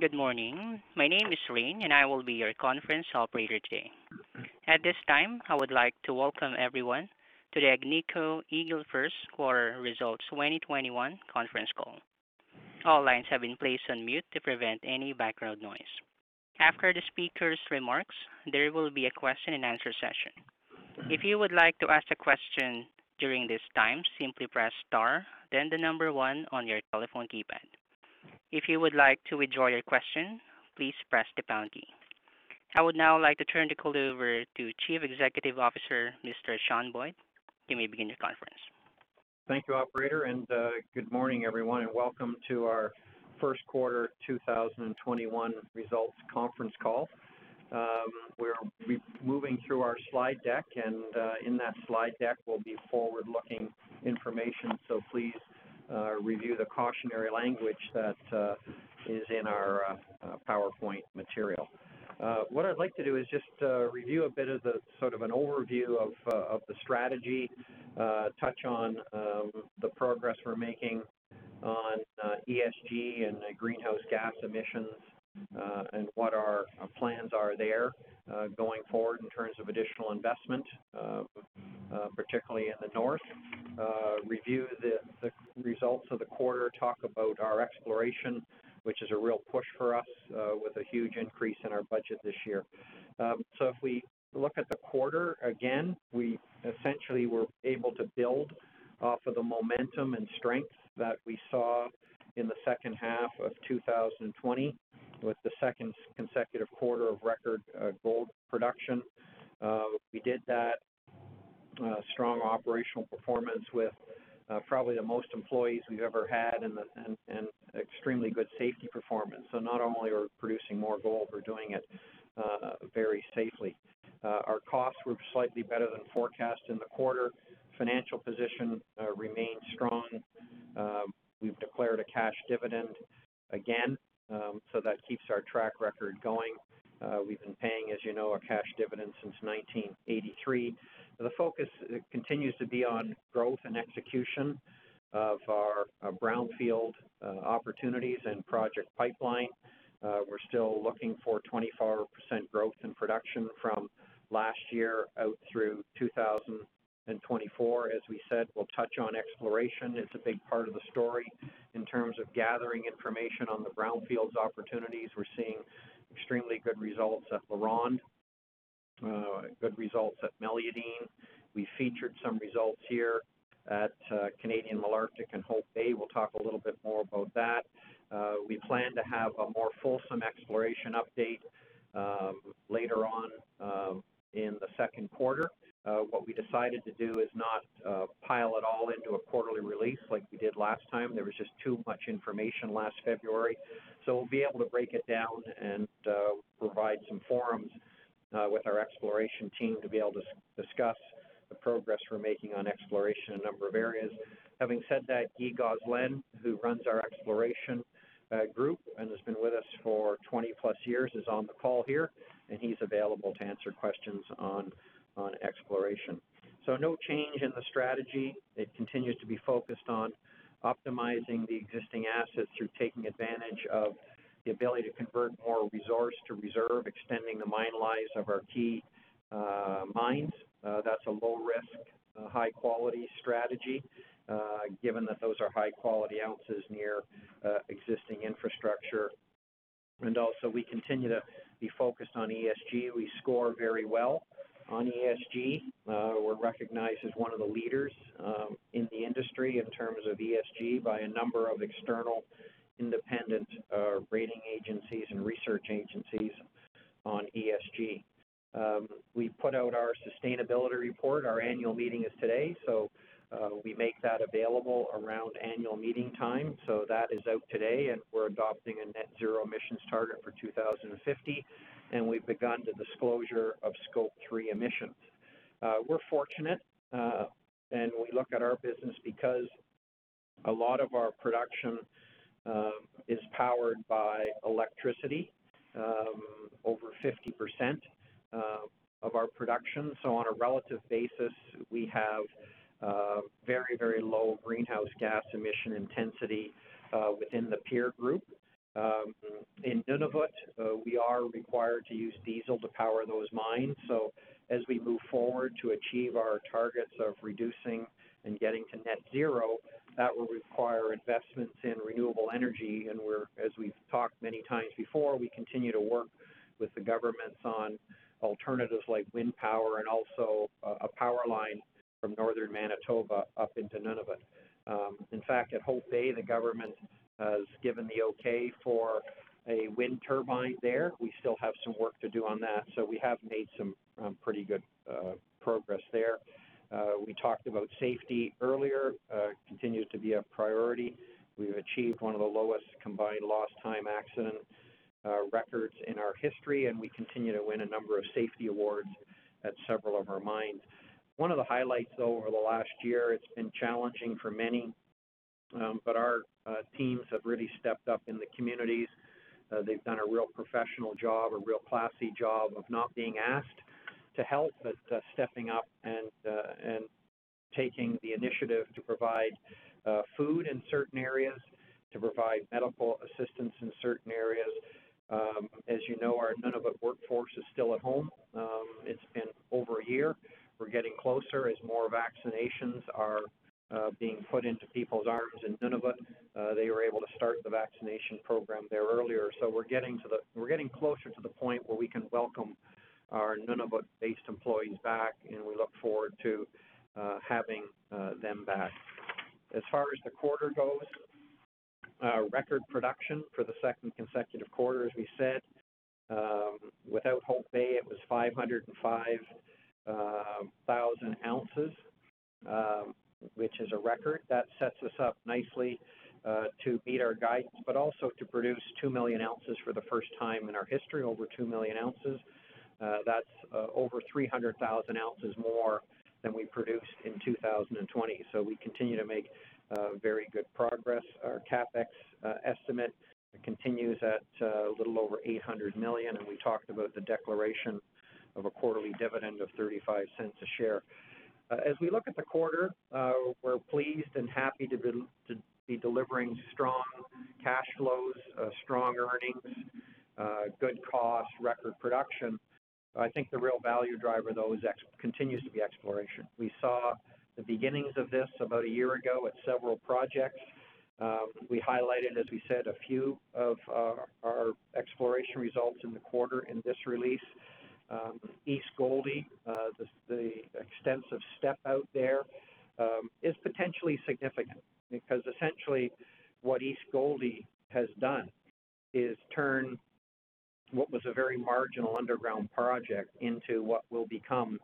Good morning. My name is Rain, and I will be your conference operator today. At this time, I would like to welcome everyone to the Agnico Eagle First Quarter Results 2021 conference call. All lines have been placed on mute to prevent any background noise. After the speakers' remarks, there will be a question and answer session. If you would like to ask a question during this time, simply press star, then the number one on your telephone keypad. If you would like to withdraw your question, please press the pound key. I would now like to turn the call over to Chief Executive Officer, Mr. Sean Boyd. You may begin your conference. Thank you, operator. Good morning, everyone, and welcome to our first quarter 2021 results conference call. We're moving through our slide deck. In that slide deck will be forward-looking information; please review the cautionary language that is in our PowerPoint material. What I'd like to do is just review a bit of the sort of an overview of the strategy, touch on the progress we're making on ESG and greenhouse gas emissions, what our plans are there going forward in terms of additional investment, particularly in the north. Review the results of the quarter, talk about our exploration, which is a real push for us with a huge increase in our budget this year. If we look at the quarter, again, we essentially were able to build off of the momentum and strength that we saw in the second half of 2020 with the second consecutive quarter of record gold production. We did that strong operational performance with probably the most employees we've ever had and extremely good safety performance. Not only are we producing more gold, we're doing it very safely. Our costs were slightly better than forecast in the quarter. Financial position remains strong. We've declared a cash dividend again, so that keeps our track record going. We've been paying, as you know, a cash dividend since 1983. The focus continues to be on growth and execution of our brownfield opportunities and project pipeline. We're still looking for 24% growth in production from last year out through 2024. As we said, we'll touch on exploration. It's a big part of the story in terms of gathering information on the brownfield opportunities. We're seeing extremely good results at LaRonde, good results at Meliadine. We featured some results here at Canadian Malartic and Hope Bay. We'll talk a little bit more about that. We plan to have a more fulsome exploration update later on in the second quarter. What we decided to do is not pile it all into a quarterly release like we did last time. There was just too much information last February. We'll be able to break it down and provide some forums with our exploration team to be able to discuss the progress we're making on exploration in a number of areas. Having said that, Guy Gosselin, who runs our exploration group and has been with us for 20-plus years, is on the call here, and he's available to answer questions on exploration. No change in the strategy. It continues to be focused on optimizing the existing assets through taking advantage of the ability to convert more resources to reserves, extending the mine lives of our key mines. That's a low-risk, high-quality strategy, given that those are high-quality ounces near existing infrastructure. We continue to be focused on ESG. We score very well on ESG. We're recognized as one of the leaders in the industry in terms of ESG by a number of external independent rating agencies and research agencies on ESG. We put out our sustainability report. Our annual meeting is today, so we make that available around annual meeting time. That is out today, and we're adopting a net zero emissions target for 2050, and we've begun the disclosure of Scope 3 emissions. We're fortunate when we look at our business because a lot of our production is powered by electricity, over 50% of our production. On a relative basis, we have very low greenhouse gas emission intensity within the peer group. In Nunavut, we are required to use diesel to power those mines. As we move forward to achieve our targets of reducing and getting to net zero, that will require investments in renewable energy, and as we've talked many times before, we continue to work with the governments on alternatives like wind power and also a power line from northern Manitoba up into Nunavut. In fact, at Hope Bay, the government has given the okay for a wind turbine there. We still have some work to do on that. We have made some pretty good progress there. We talked about safety earlier. Continues to be a priority. We've achieved one of the lowest combined lost time accident records in our history, and we continue to win a number of safety awards at several of our mines. One of the highlights, though, over the last year: it's been challenging for many, but our teams have really stepped up in the communities. They've done a real professional job, a real classy job, of not being asked to help but stepping up and taking the initiative to provide food in certain areas, to provide medical assistance in certain areas. As you know, our Nunavut workforce is still at home. It's been over a year. We're getting closer as more vaccinations are being put into people's arms in Nunavut. They were able to start the vaccination program there earlier. We're getting closer to the point where we can welcome our Nunavut-based employees back, and we look forward to having them back. As far as the quarter goes, record production for the second consecutive quarter, as we said. Without Hope Bay, it was 505,000 ounces, which is a record. That sets us up nicely to beat our guidance but also to produce 2 million ounces for the first time in our history, over 2 million ounces. That's over 300,000 ounces more than we produced in 2020. We continue to make very good progress. Our CapEx estimate continues at a little over 800 million, and we talked about the declaration of a quarterly dividend of 0.35 a share. As we look at the quarter, we're pleased and happy to be delivering strong cash flows, strong earnings, good cost, record production. I think the real value driver, though, continues to be exploration. We saw the beginnings of this about a year ago at several projects. We highlighted, as we said, a few of our exploration results in the quarter in this release. East Gouldie, the extensive step out there, is potentially significant because essentially what East Gouldie has done is turn what was a very marginal underground project into what will become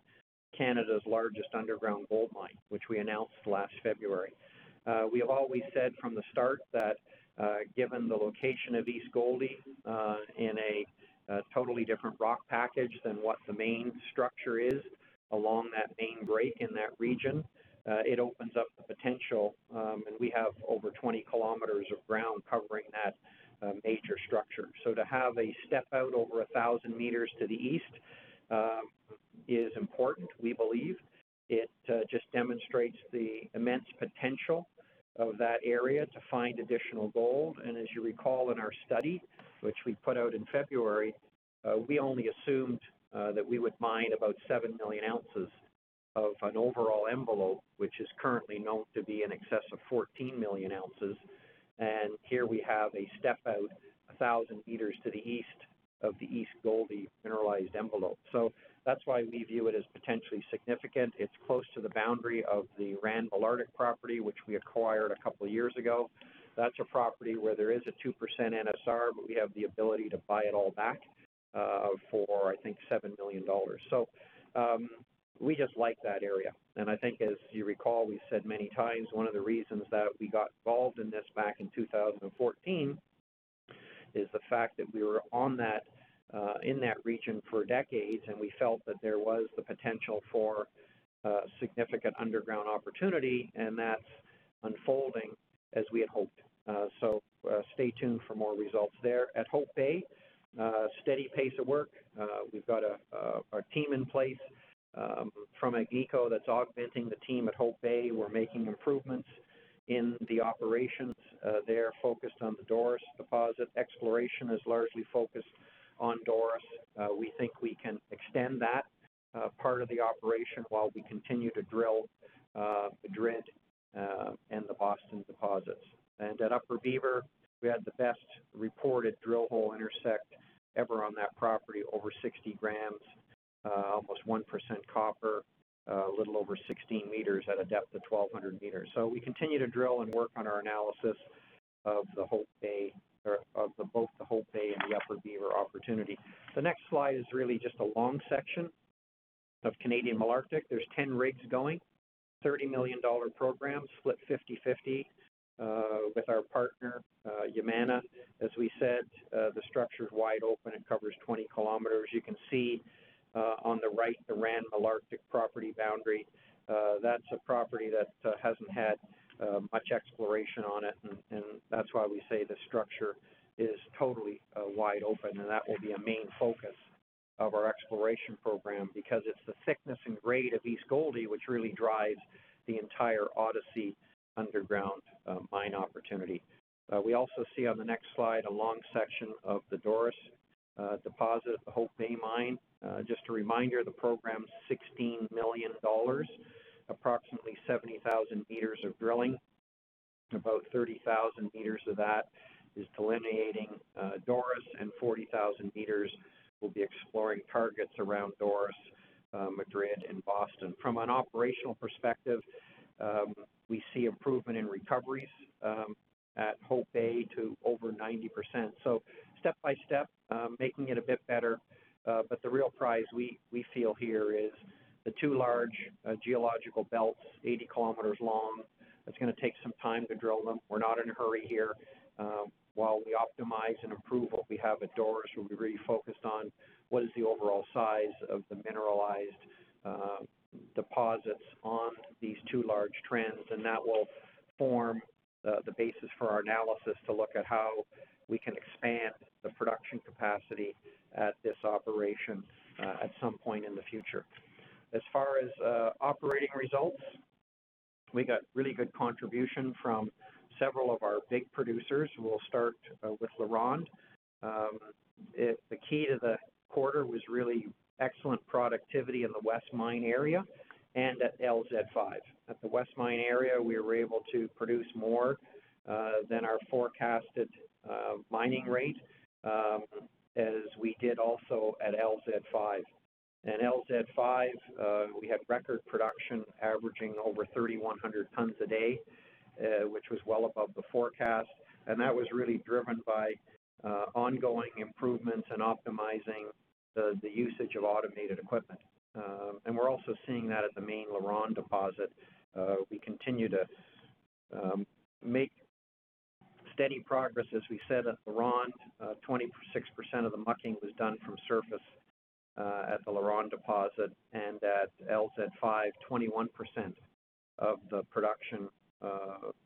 Canada's largest underground gold mine, which we announced last February. We have always said from the start that given the location of East Gouldie in a totally different rock package than what the main structure is along that main break in that region, it opens up the potential, and we have over 20 km of ground covering that major structure. To have a step out over 1,000 m to the east is important, we believe. It just demonstrates the immense potential of that area to find additional gold. As you recall in our study, which we put out in February, we only assumed that we would mine about 7 million ounces of an overall envelope, which is currently known to be in excess of 14 million ounces. Here we have a step out 1,000 m to the east of the East Gouldie mineralized envelope. That's why we view it as potentially significant. It's close to the boundary of the Rand Malartic property, which we acquired a couple of years ago. That's a property where there is a 2% NSR. We have the ability to buy it all back for, I think, 7 million dollars. We just like that area. I think, as you recall, we've said many times, one of the reasons that we got involved in this back in 2014 is the fact that we were in that region for decades, and we felt that there was the potential for significant underground opportunity, and that's unfolding as we had hoped. Stay tuned for more results there. At Hope Bay, steady pace of work. We've got our team in place from Agnico that's augmenting the team at Hope Bay. We're making improvements in the operations there, focused on the Doris deposit. Exploration is largely focused on Doris. We think we can extend that part of the operation while we continue to drill the Madrid and the Boston deposits. At Upper Beaver, we had the best reported drill hole intersect ever on that property, over 60 grams, almost 1% copper, a little over 16 meters at a depth of 1,200 meters. We continue to drill and work on our analysis of both the Hope Bay and the Upper Beaver opportunity. The next slide is really just a long section of Canadian Malartic. There's 10 rigs going, 30 million dollar program split 50/50 with our partner, Yamana. As we said, the structure's wide open. It covers 20 kilometers. You can see on the right the Rand Malartic property boundary. That's a property that hasn't had much exploration on it, and that's why we say the structure is totally wide open, and that will be a main focus of our exploration program because it's the thickness and grade of East Gouldie which really drives the entire Odyssey underground mine opportunity. We also see on the next slide a long section of the Doris deposit at the Hope Bay mine. Just a reminder, the program's 16 million dollars is approximately 70,000 meters of drilling. About 30,000 meters of that is delineating Doris, and 40,000 meters will be exploring targets around Doris, Madrid, and Boston. From an operational perspective, we see improvement in recoveries at Hope Bay to over 90%. Step by step, making it a bit better. The real prize we feel here is the two large geological belts, 80 kilometers long. It's going to take some time to drill them. We're not in a hurry here. While we optimize and improve what we have at Doris, we'll be really focused on what is the overall size of the mineralized deposits on these two large trends, and that will form the basis for our analysis to look at how we can expand the production capacity at this operation at some point in the future. As far as operating results, we got a really good contribution from several of our big producers. We'll start with LaRonde. The key to the quarter was really excellent productivity in the West Mine area and at LZ5. At the West Mine area, we were able to produce more than our forecasted mining rate, as we did also at LZ5. At LZ 5, we had record production averaging over 3,100 tons a day, which was well above the forecast. That was really driven by ongoing improvements in optimizing the usage of automated equipment. We are also seeing that at the main LaRonde deposit. We continue to make steady progress, as we said, at LaRonde. 26% of the mucking was done from surface at the LaRonde deposit and at LZ5; 21% of the production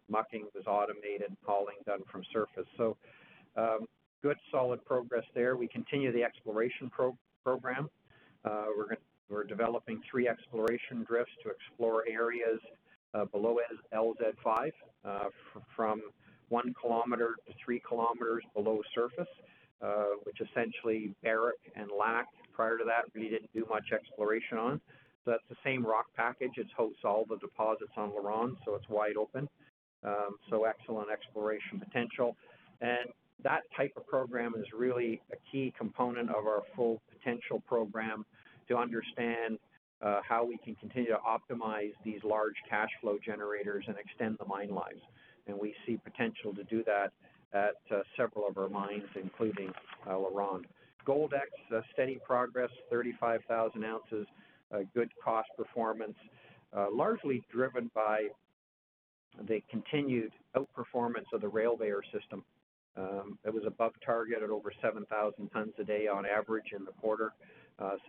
mucking was automated, hauling done from surface. Good solid progress there. We continue the exploration program. We are developing three exploration drifts to explore areas below LZ5 from one kilometer to three kilometers below surface which essentially Barrick and Lac, prior to that, we did not do much exploration on. That is the same rock package. It hosts all the deposits on LaRonde, so it is wide open. Excellent exploration potential. That type of program is really a key component of our full potential program to understand how we can continue to optimize these large cash flow generators and extend the mine lives. We see potential to do that at several of our mines, including LaRonde. Goldex: steady progress, 35,000 ounces. Good cost performance largely driven by the continued outperformance of the Rail-Veyor system. It was above target at over 7,000 tons a day on average in the quarter.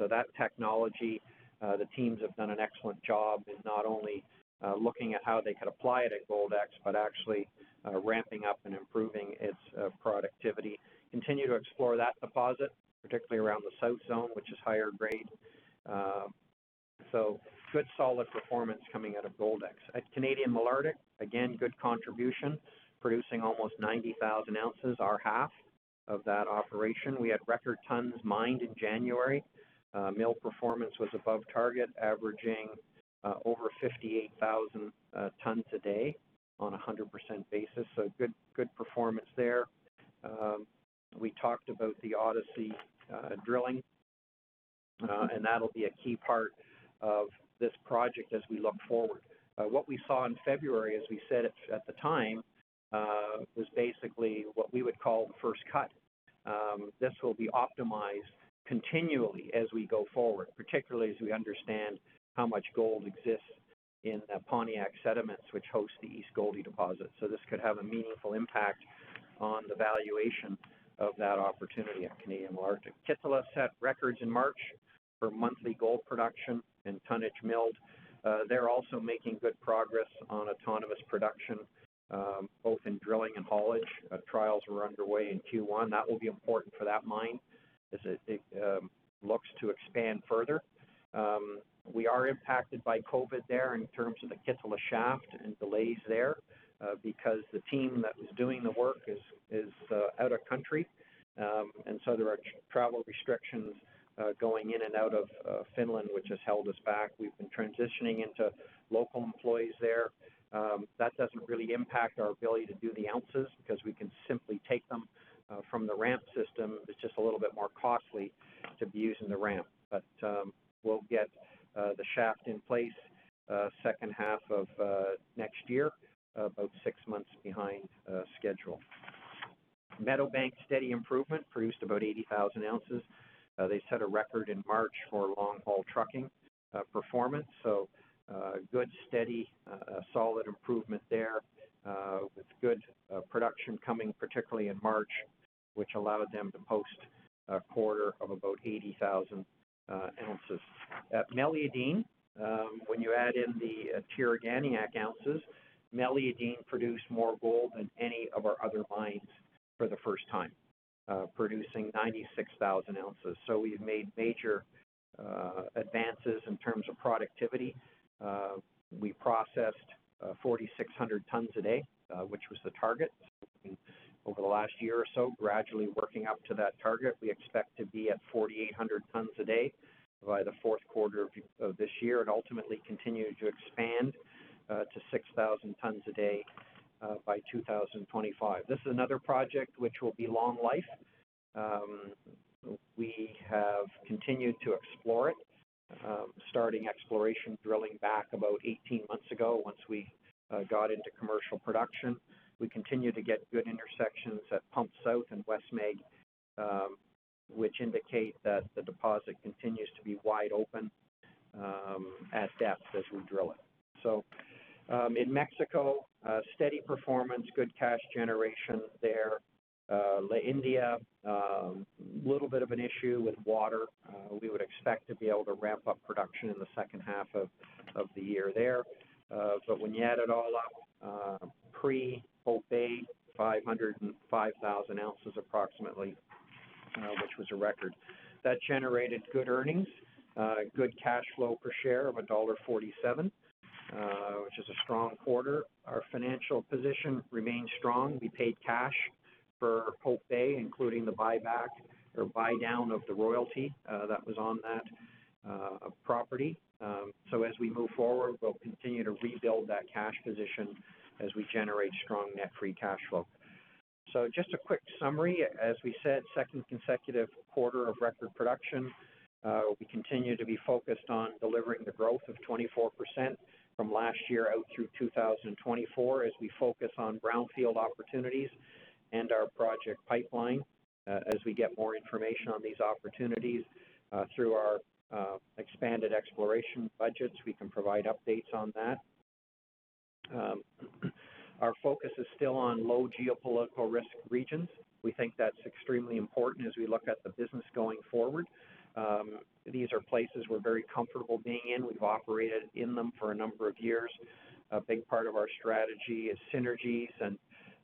That technology, the teams have done an excellent job in not only looking at how they could apply it at Goldex, but actually ramping up and improving its productivity. Continue to explore that deposit, particularly around the South Zone, which is higher grade. Good solid performance coming out of Goldex. At Canadian Malartic, again, good contribution, producing almost 90,000 ounces, our half of that operation. We had record tons mined in January. Mill performance was above target, averaging over 58,000 tons a day on 100% basis, so good performance there. We talked about the Odyssey drilling, and that'll be a key part of this project as we look forward. What we saw in February, as we said at the time, was basically what we would call the first cut. This will be optimized continually as we go forward, particularly as we understand how much gold exists in the Pontiac sediments, which host the East Gouldie deposit. This could have a meaningful impact on the valuation of that opportunity at Canadian Malartic. Kittila set records in March for monthly gold production and tonnage milled. They're also making good progress on autonomous production, both in drilling and haulage. Trials were underway in Q1. That will be important for that mine as it looks to expand further. We are impacted by COVID there in terms of the Kittila shaft and delays there because the team that was doing the work is out of the country, and so there are travel restrictions going in and out of Finland, which has held us back. We've been transitioning into local employees there. That doesn't really impact our ability to do the ounces because we can simply take them from the ramp system. It's just a little bit more costly to be using the ramp. We'll get the shaft in place second half of next year, about six months behind schedule. Meliadine, steady improvement, produced about 80,000 ounces. They set a record in March for long-haul trucking performance, so good, steady, solid improvement there with good production coming, particularly in March, which allowed them to post a quarter of about 80,000 ounces. At Meliadine, when you add in the Tiriganiaq ounces, Meliadine produced more gold than any of our other mines for the first time, producing 96,000 ounces. We've made major advances in terms of productivity. We processed 4,600 tons a day, which was the target over the last year or so, gradually working up to that target. We expect to be at 4,800 tons a day by the fourth quarter of this year and ultimately continue to expand to 6,000 tons a day by 2025. This is another project which will be long life. We have continued to explore it, starting exploration drilling back about 18 months ago once we got into commercial production. We continue to get good intersections at Pump South and Wesmeg, which indicate that the deposit continues to be wide open at depth as we drill it. In Mexico, steady performance, good cash generation there. India, little bit of an issue with water. We would expect to be able to ramp up production in the second half of the year there. When you add it all up, pre-Hope Bay, 505,000 ounces approximately, which was a record. That generated good earnings, good cash flow per share of dollar 1.47, which is a strong quarter. Our financial position remains strong. We paid cash for Hope Bay, including the buyback or buydown of the royalty that was on that property. As we move forward, we'll continue to rebuild that cash position as we generate strong net free cash flow. Just a quick summary. As we said, second consecutive quarter of record production. We continue to be focused on delivering the growth of 24% from last year out through 2024, as we focus on brownfield opportunities and our project pipeline. We get more information on these opportunities. Through our expanded exploration budgets, we can provide updates on that. Our focus is still on low geopolitical-risk regions. We think that's extremely important as we look at the business going forward. These are places we're very comfortable being in. We've operated in them for a number of years. A big part of our strategy is synergies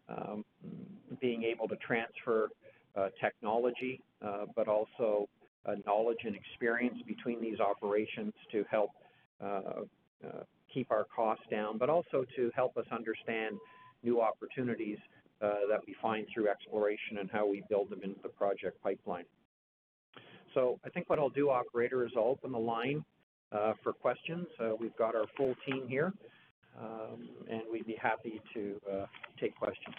and being able to transfer technology, but also knowledge and experience between these operations to help keep our costs down, but also to help us understand new opportunities that we find through exploration and how we build them into the project pipeline. I think what I'll do, operator, is I'll open the line for questions. We've got our full team here, and we'd be happy to take questions.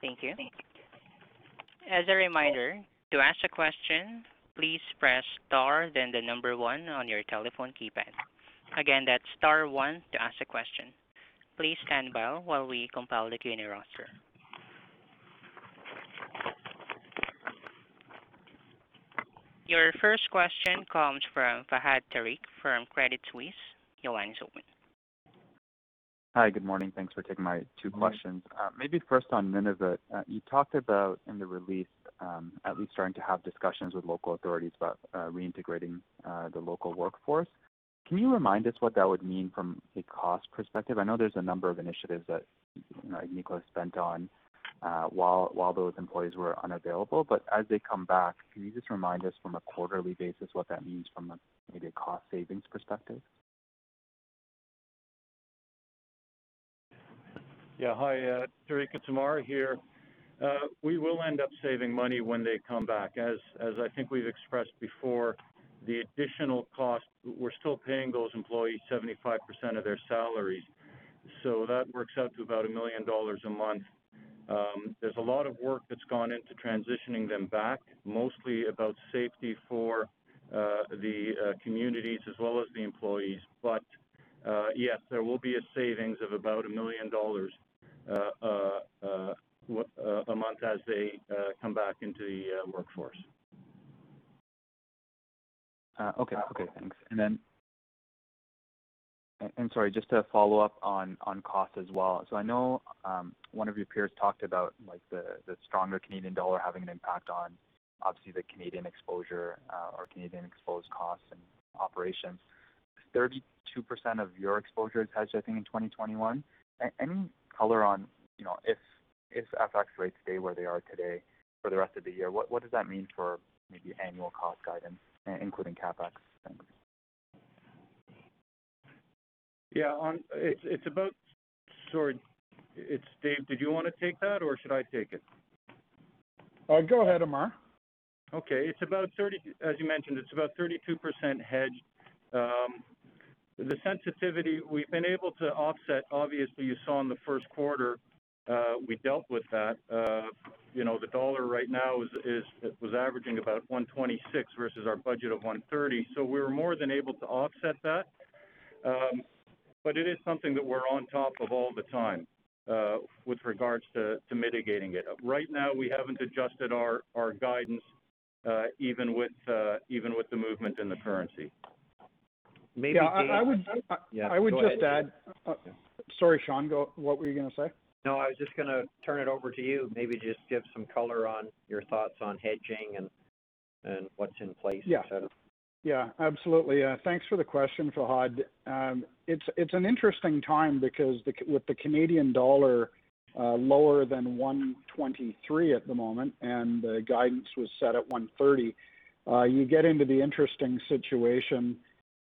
Thank you. As a reminder, to ask a question, please press star then the number one on your telephone keypad. Again, that's star one to ask a question. Please stand by while we compile the Q&A roster. Your first question comes from Fahad Tariq from Credit Suisse. Your line's open. Hi. Good morning. Thanks for taking my two questions. First, on Nunavut. You talked about, in the release, at least starting to have discussions with local authorities about reintegrating the local workforce. Can you remind us what that would mean from a cost perspective? I know there's a number of initiatives that Agnico spent on while those employees were unavailable. As they come back, can you just remind us from a quarterly basis what that means from a maybe cost savings perspective? Yeah. Hi, Tariq. It's Ammar here. We will end up saving money when they come back. As I think we've expressed before, the additional cost, we're still paying those employees 75% of their salaries. That works out to about 1 million dollars a month. There's a lot of work that's gone into transitioning them back, mostly about safety for the communities as well as the employees. Yes, there will be a savings of about 1 million dollars a month as they come back into the workforce. Okay. Thanks. Sorry, just to follow up on cost as well. I know one of your peers talked about the stronger Canadian dollar having an impact on, obviously, the Canadian exposure or Canadian-exposed costs and operations. 32% of your exposure is hedged, I think, in 2021. Any color on if FX rates stay where they are today for the rest of the year? What does that mean for maybe annual cost guidance, including CapEx? Thanks. Yeah. Sorry. Dave, did you want to take that, or should I take it? Go ahead, Ammar. As you mentioned, it's about 32% hedged. The sensitivity we've been able to offset, obviously you saw in the first quarter, we dealt with that. The dollar right now was averaging about 126 versus our budget of 130, we were more than able to offset that. It is something that we're on top of all the time with regards to mitigating it. We haven't adjusted our guidance even with the movement in the currency. Maybe I would just—Sorry, Sean, what were you going to say? No, I was just going to turn it over to you. Maybe just give some color on your thoughts on hedging and what's in place, et cetera. Yeah, absolutely. Thanks for the question, Fahad. It's an interesting time because with the Canadian dollar lower than 123 at the moment and the guidance was set at 130, you get into the interesting situation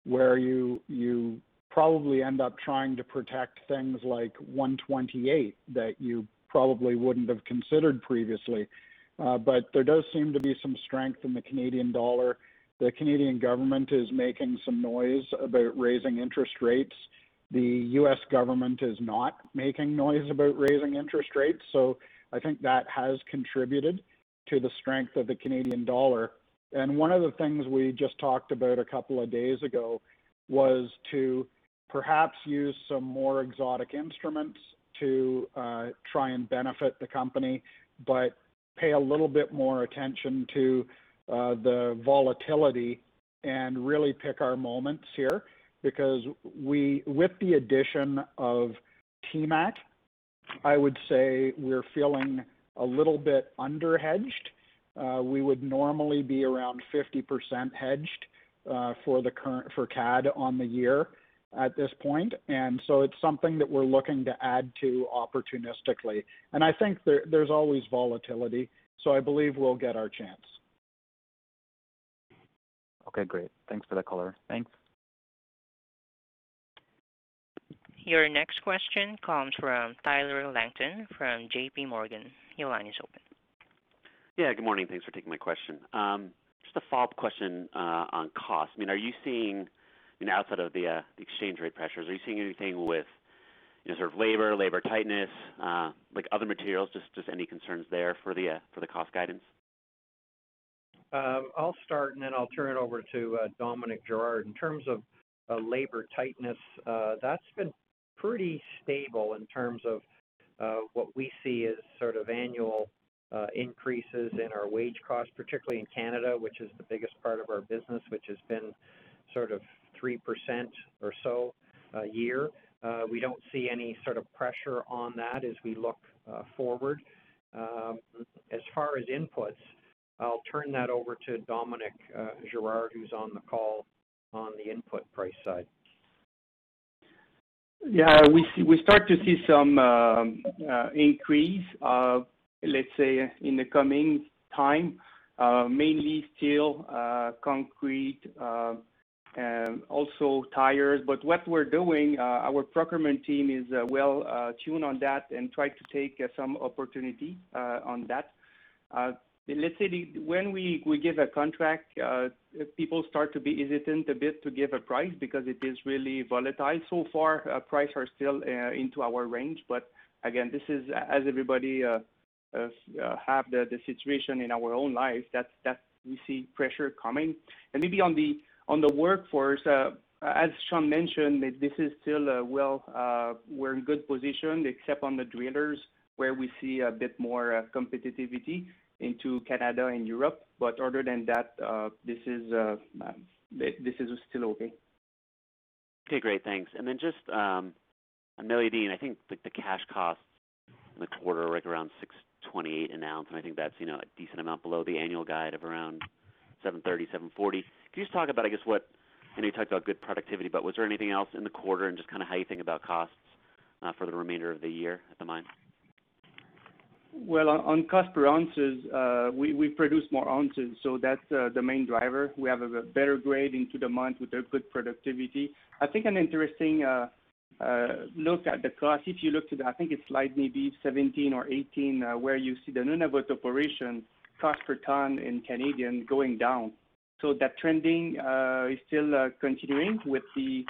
where you probably end up trying to protect things like 128 that you probably wouldn't have considered previously. There does seem to be some strength in the Canadian dollar. The Canadian government is making some noise about raising interest rates. The U.S. government is not making noise about raising interest rates, so I think that has contributed to the strength of the Canadian dollar. One of the things we just talked about a couple of days ago was to perhaps use some more exotic instruments to try and benefit the company, but pay a little bit more attention to the volatility Really pick our moments here, because with the addition of TMAC, I would say we're feeling a little bit under-hedged. We would normally be around 50% hedged for CAD on the year at this point. It's something that we're looking to add to opportunistically. I think there's always volatility, so I believe we'll get our chance. Okay, great. Thanks for the color. Thanks. Your next question comes from Tyler Langton from J.P. Morgan. Your line is open. Yeah, good morning. Thanks for taking my question. Just a follow-up question on cost. Outside of the exchange rate pressures, are you seeing anything with labor tightness, other materials? Just any concerns there for the cost guidance? I'll start and then I'll turn it over to Dominique Girard. In terms of labor tightness, that's been pretty stable in terms of what we see as sort of annual increases in our wage cost, particularly in Canada, which is the biggest part of our business, which has been 3% or so a year. We don't see any sort of pressure on that as we look forward. As far as inputs, I'll turn that over to Dominique Girard, who's on the call on the input price side. We start to see some increase, let's say, in the coming time, mainly steel, concrete, also tires. What we're doing, our procurement team is well tuned on that and try to take some opportunity on that. Let's say when we give a contract, people start to be hesitant a bit to give a price because it is really volatile. So far, prices are still into our range, but again, this is, as everybody have the situation in our own lives, that we see pressure coming. Maybe on the workforce, as Sean mentioned, we're in a good position except on the drillers, where we see a bit more competitivity into Canada and Europe. Other than that, this is still okay. Okay, great. Thanks. Just on Meliadine, I think the cash costs in the quarter were around $628 an ounce, and I think that's a decent amount below the annual guide of around $730, $740. Can you just talk about, I guess I know you talked about good productivity? Was there anything else in the quarter and just kind of how you think about costs for the remainder of the year at the mine? Well, on cost per ounce, we produced more ounces, so that's the main driver. We have a better grade into the month with a good productivity. I think an interesting look at the cost, if you look to the I think it's slide maybe 17 or 18, where you see the Nunavut operation cost per ton in CAD going down. That trending is still continuing with the,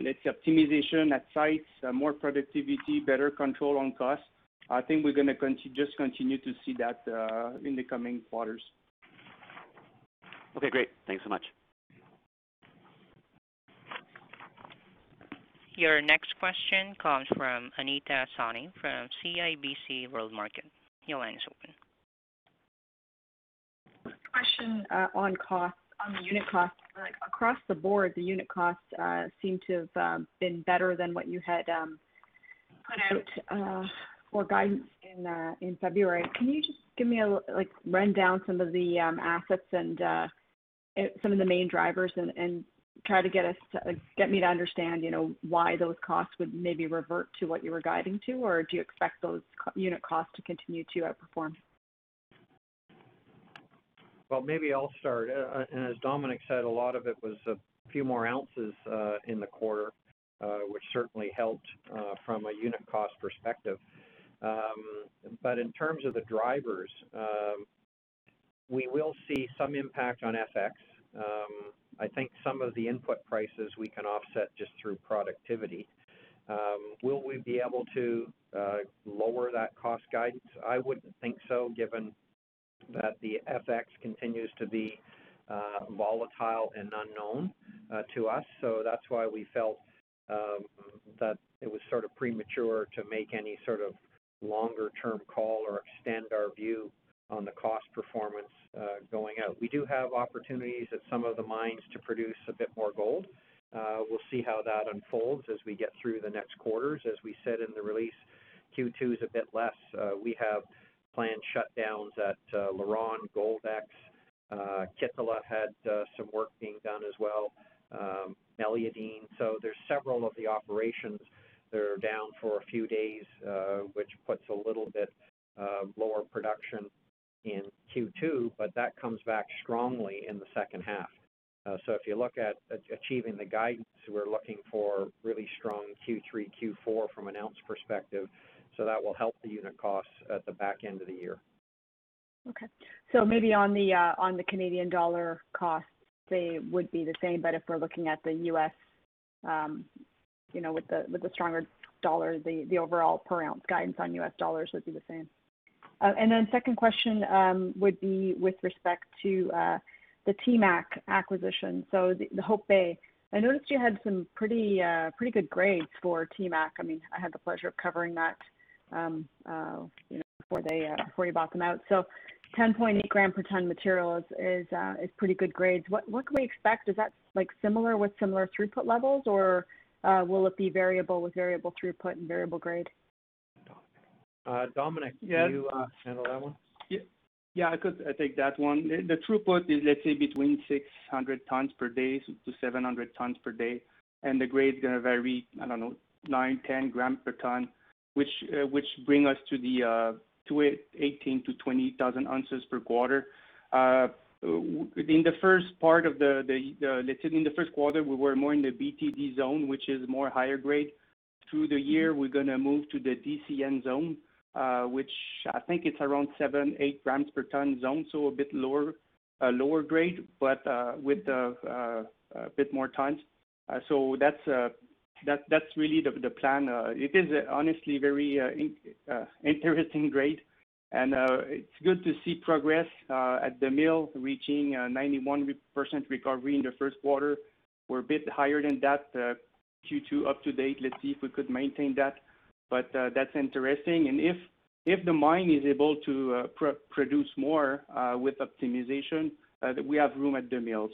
let's say, optimization at sites, more productivity, better control on cost. I think we're going to just continue to see that in the coming quarters. Okay, great. Thanks so much. Your next question comes from Anita Soni from CIBC World Markets. Your line is open. Question on costs, on the unit costs. Across the board, the unit costs seem to have been better than what you had put out for guidance in February. Can you just give me a rundown some of the assets and some of the main drivers and try to get me to understand why those costs would maybe revert to what you were guiding to? Do you expect those unit costs to continue to outperform? Well, maybe I'll start. As Dominique said, a lot of it was a few more ounces in the quarter, which certainly helped from a unit cost perspective. In terms of the drivers, we will see some impact on FX. I think some of the input prices we can offset just through productivity. Will we be able to lower that cost guidance? I wouldn't think so given that the FX continues to be volatile and unknown to us. That's why we felt that it was sort of premature to make any sort of longer-term call or extend our view on the cost performance going out. We do have opportunities at some of the mines to produce a bit more gold. We'll see how that unfolds as we get through the next quarters. As we said in the release, Q2 is a bit less. We have planned shutdowns at LaRonde, Goldex. Kittila had some work being done as well, Meliadine. There's several of the operations that are down for a few days, which puts a little bit lower production in Q2, but that comes back strongly in the second half. If you look at achieving the guidance, we're looking for really strong Q3, Q4 from an ounce perspective, so that will help the unit costs at the back end of the year. Okay. Maybe on the Canadian dollar costs, they would be the same. If we're looking at the US with the stronger dollar, the overall per ounce guidance on US dollars would be the same. Second question would be with respect to the TMAC acquisition, so the Hope Bay. I noticed you had some pretty good grades for TMAC. I had the pleasure of covering that before you bought them out. 10.8 grams per ton of material is pretty good grade. What can we expect? Is that similar with similar throughput levels, or will it be variable with variable throughput and variable grades? Dominique, Yes Can you handle that one? Yeah, I could take that one. The throughput is, let's say, between 600 tons per day to 700 tons per day. The grade's going to vary, I don't know, 9, 10 grams per ton, which brings us to the 18,000 to 20,000 ounces per quarter. Let's say in the first quarter, we were more in the BTD Zone, which is more higher grade. Through the year, we're going to move to the DCN Zone, which I think it's around a seven- or eight-gram-per-ton zone, so a bit lower grade, but with a bit more tons. That's really the plan. It is honestly a very interesting grade, and it's good to see progress at the mill, reaching 91% recovery in the first quarter. We're a bit higher than that, Q2 up-to-date. Let's see if we could maintain that. That's interesting. If the mine is able to produce more with optimization, we have room at the mill.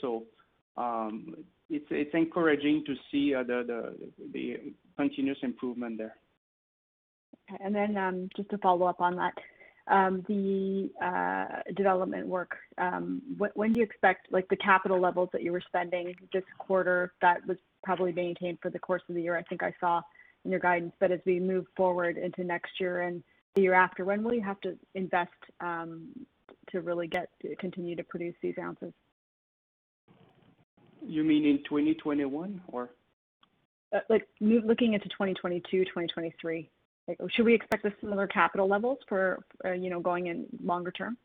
It's encouraging to see the continuous improvement there. Okay. Just to follow up on that, the development work—when do you expect the capital levels that you were spending this quarter, that was probably maintained for the course of the year, I think I saw in your guidance? As we move forward into next year and the year after, when will you have to invest to really continue to produce these ounces? You mean in 2021, or? Like, looking into 2022, 2023, should we expect the similar capital levels going in longer term?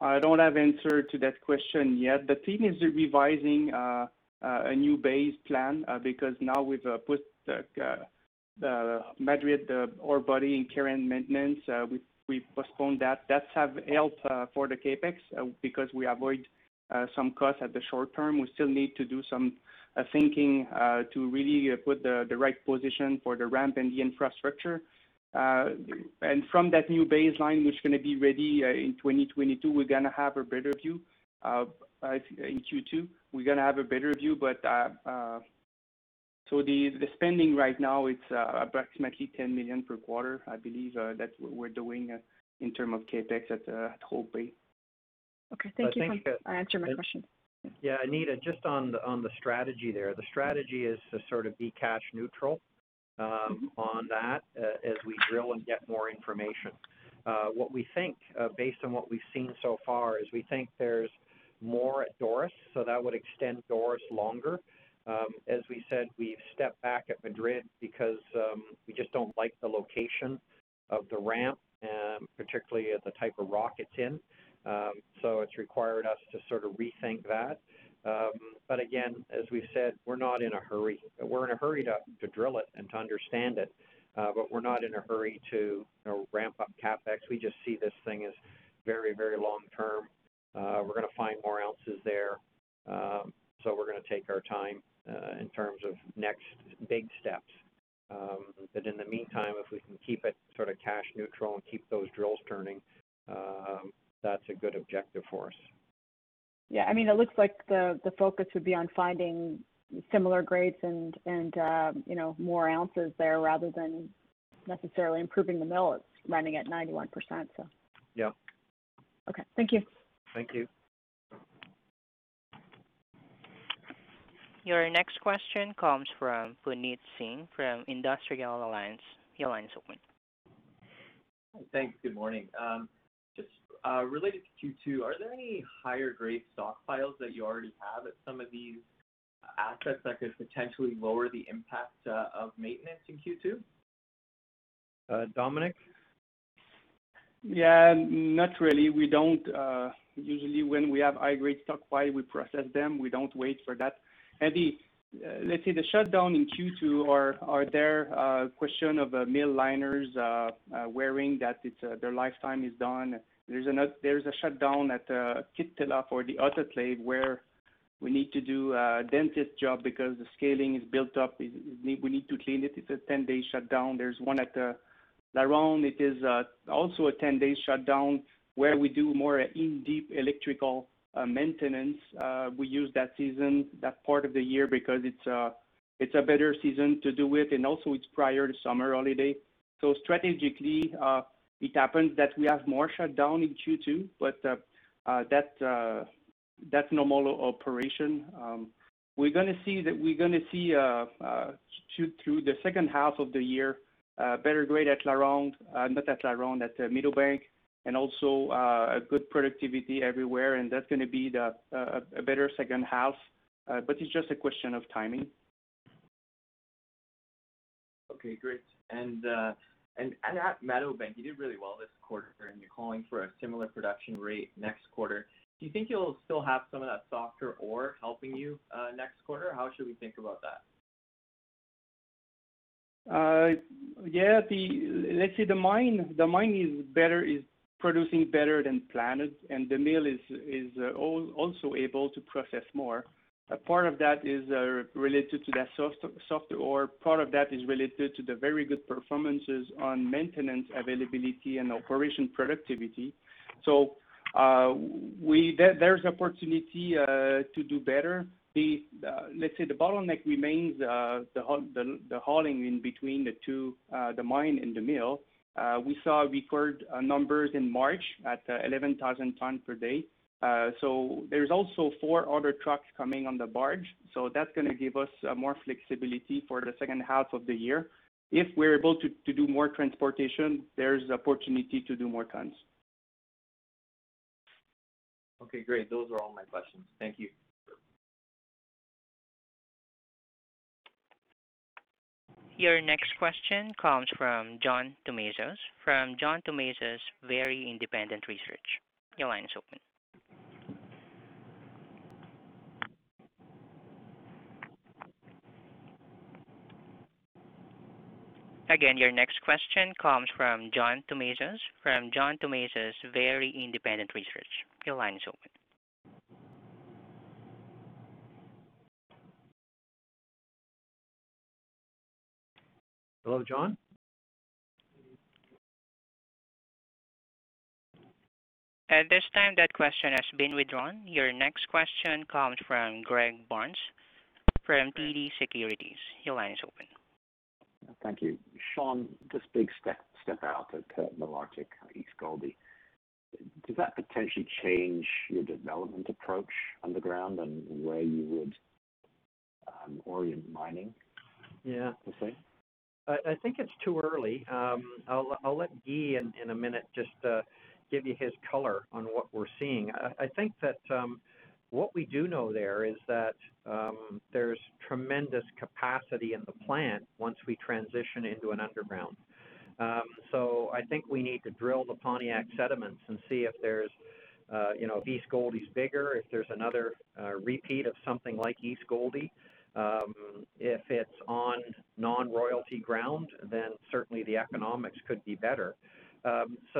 I don't have an answer to that question yet. The team is revising a new base plan because now we've put the Madrid ore body in care and maintenance. We postponed that. That have helped for the CapEx, because we avoid some costs at the short term. We still need to do some thinking to really put the right position for the ramp and the infrastructure. From that new baseline, which is going to be ready in 2022, we're going to have a better view in Q2. We're going to have a better view. The spending right now, it's approximately 10 million per quarter. I believe that's what we're doing in terms of CapEx at Hope Bay. Okay. Thank you. I think- That answered my question. Yeah, Anita, just on the strategy there, the strategy is to sort of be cash-neutral. on that, as we drill and get more information. What we think, based on what we've seen so far, is we think there's more at Doris, so that would extend Doris longer. As we said, we've stepped back at Madrid because we just don't like the location of the ramp, particularly at the type of rock it's in. It's required us to sort of rethink that. Again, as we've said, we're not in a hurry. We're in a hurry to drill it and to understand it, but we're not in a hurry to ramp up CapEx. We just see this thing as very long-term. We're going to find more ounces there, so we're going to take our time in terms of next big steps. In the meantime, if we can keep it sort of cash neutral and keep those drills turning, that's a good objective for us. Yeah. It looks like the focus would be on finding similar grades and more ounces there rather than necessarily improving the mill. It's running at 91%, so. Yeah. Okay. Thank you. Thank you. Your next question comes from Puneet Singh from Industrial Alliance. Your line is open. Thanks. Good morning. Just related to Q2, are there any higher-grade stockpiles that you already have at some of these assets that could potentially lower the impact of maintenance in Q2? Dominic? Yeah, not really. We don't usually; when we have a high-grade stockpile, we process them. We don't wait for that. Let's say the shutdowns in Q2 are there questions of mill liners wearing, that their lifetime is done. There's a shutdown at Kittila for the autoclave, where we need to do a dentist job because the scaling is built up. We need to clean it. It's a 10-day shutdown. There's one at LaRonde. It is also a 10-day shutdown where we do more in-depth electrical maintenance. We use that season, that part of the year, because it's a better season to do it, and also it's prior to summer holiday. Strategically, it happens that we have more shutdowns in Q2, but that's normal operation. We're going to see, through the second half of the year, better grades at LaRonde, not at LaRonde, at Meadowbank, and also a good productivity everywhere, and that's going to be a better second half. It's just a question of timing. Okay, great. At Meadowbank, you did really well this quarter, and you're calling for a similar production rate next quarter. Do you think you'll still have some of that softer ore helping you next quarter? How should we think about that? Yeah. Let's say the mine is producing better than planned, and the mill is also able to process more. A part of that is related to that soft ore. Part of that is related to the very good performances on maintenance availability and operation productivity. There's opportunity to do better. Let's say the bottleneck remains the hauling in between the two, the mine and the mill. We saw record numbers in March at 11,000 tons per day. There's also four other trucks coming on the barge, so that's going to give us more flexibility for the second half of the year. If we're able to do more transportation, there's opportunity to do more tons. Okay, great. Those are all my questions. Thank you. Your next question comes from John Tumazos from John Tumazos Very Independent Research. Your line is open. Again, your next question comes from John Tumazos from John Tumazos Very Independent Research. Your line is open. Hello, John? At this time that question has been withdrawn. Your next question comes from Greg Barnes from TD Securities. Your line is open. Thank you. Sean, this big step out at Malartic East Gouldie, does that potentially change your development approach underground and the way you would orient mining? Yeah. Okay. I think it's too early. I'll let Guy in a minute just give you his color on what we're seeing. I think that what we do know there is that there's tremendous capacity in the plant once we transition into an underground. I think we need to drill the Pontiac sediments and see if East Gouldie's bigger, if there's another repeat of something like East Gouldie. If it's on non-royalty ground, certainly the economics could be better.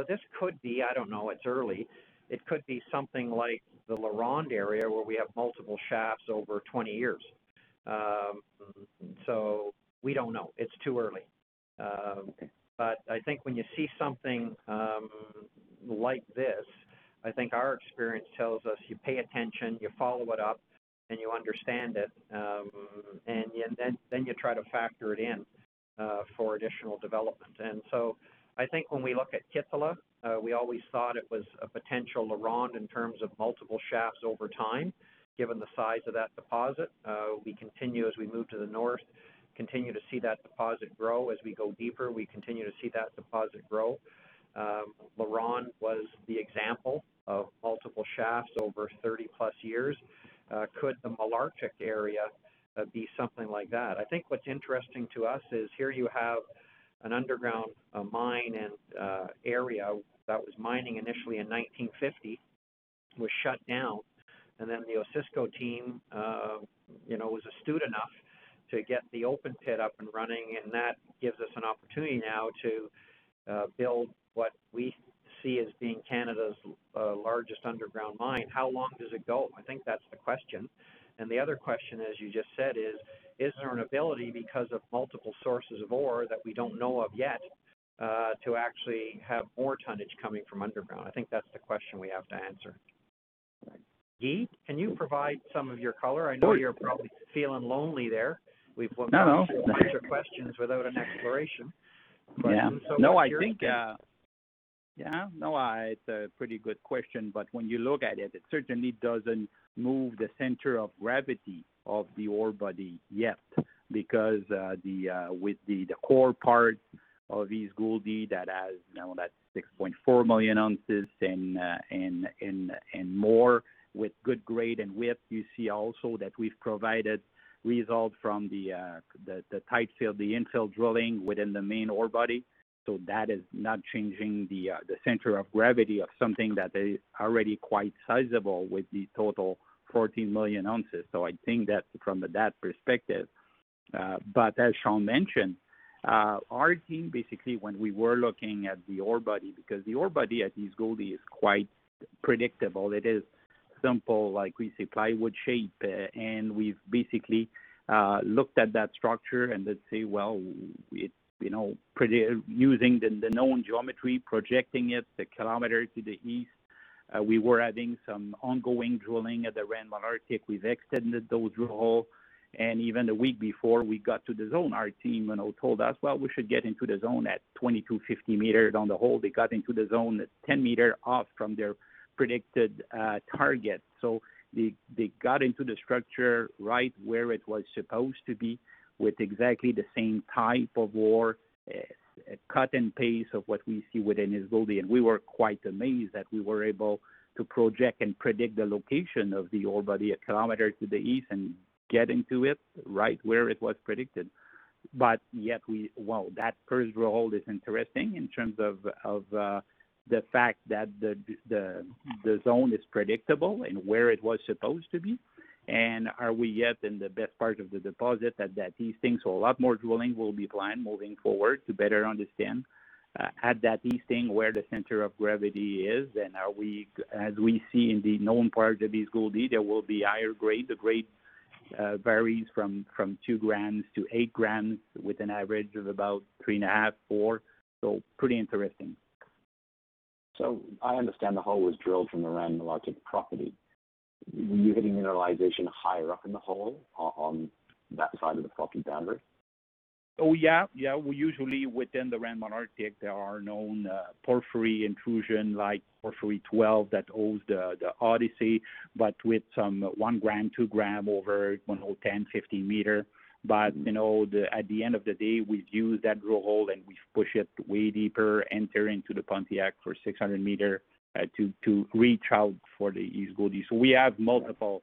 This could be, I don't know; it's early. It could be something like the LaRonde area, where we have multiple shafts over 20 years. We don't know. It's too early. I think when you see something like this, I think our experience tells us you pay attention, you follow it up, and you understand it. You try to factor it in for additional development. I think when we looked at Kittilä, we always thought it was a potential LaRonde in terms of multiple shafts over time, given the size of that deposit. We continue as we move to the north, continue to see that deposit grow. As we go deeper, we continue to see that deposit grow. LaRonde was the example of multiple shafts over 30 plus years. Could the Malartic area be something like that? I think what's interesting to us is here you have an underground mine and area that was mining initially in 1950, was shut down, and then the Osisko team was astute enough to get the open pit up and running, and that gives us an opportunity now to build what we see as being Canada's largest underground mine. How long does it go? I think that's the question. The other question, as you just said is there an ability because of multiple sources of ore that we don't know of yet to actually have more tonnage coming from underground? I think that's the question we have to answer. Right. Guy, can you provide some of your color? I know you're probably feeling lonely there. No A bunch of questions without an exploration. Yeah. No, I think. Yeah, no, it's a pretty good question, but when you look at it certainly doesn't move the center of gravity of the ore body yet because with the core part of East Gouldie that has now that 6.4 million ounces and more with good grade and width, you see also that we've provided results from the tight fill, the infill drilling within the main ore body. That is not changing the center of gravity of something that is already quite sizable with the total 14 million ounces. I think that from that perspective. As Sean mentioned, our team basically when we were looking at the ore body, because the ore body at East Gouldie is quite predictable. It is simple, like we say, "plywood shape." We've basically looked at that structure and let's say, well, using the known geometry, projecting it a kilometer to the east. We were adding some ongoing drilling at the Rand Malartic. We've extended those drill holes. Even the week before we got to the zone, our team told us, "Well, we should get into the zone at 2,250 meters." On the hole, they got into the zone 10 meters off from their predicted target. They got into the structure right where it was supposed to be with exactly the same type of ore, cut and paste of what we see within Gouldie. We were quite amazed that we were able to project and predict the location of the ore body a kilometer to the east and get into it right where it was predicted. Well, that first drill hole is interesting in terms of the fact that the zone is predictable and where it was supposed to be. Are we yet in the best part of the deposit at that East Gouldie? A lot more drilling will be planned moving forward to better understand at that East Gouldie, where the center of gravity is. As we see in the known part of East Gouldie, there will be a higher grade. The grade varies from two grams to eight grams, with an average of about three and a half or four. Pretty interesting. I understand the hole was drilled from around the Malartic property. Were you hitting mineralization higher up in the hole on that side of the property boundary? Oh, yeah. Usually within the Rand Malartic, there are known porphyry intrusions, like #12 Porphyry that hosts the Odyssey, but with some 1 gram, 2 grams over 10, 15 meters. But at the end of the day, we've used that drill hole and we've pushed it way deeper, entering the Pontiac for 600 meters to reach out for the East Gouldie. So we have multiple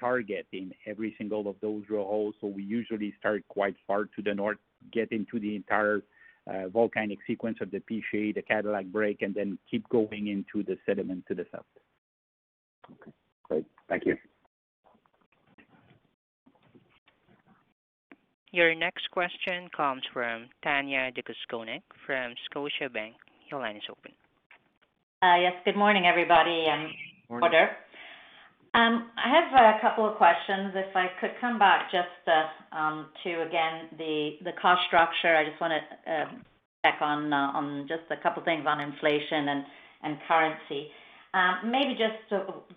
targets in every single of those drill holes. So we usually start quite far to the north, get into the entire volcanic sequence of the Piché, the Cadillac break, and then keep going into the sediment to the south. Okay, great. Thank you. Your next question comes from Tanya Jakusconek from Scotiabank. Your line is open. Yes. Good morning, everybody. Morning. Quarter. I have a couple of questions. If I could come back just to, again, the cost structure. I just want to check on just a couple of things on inflation and currency. Maybe just,